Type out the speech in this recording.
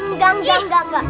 enggak enggak enggak